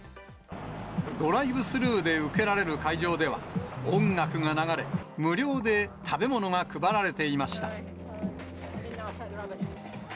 ドライブスルーで受けられる会場では、音楽が流れ、無料で食べ物が配られていました。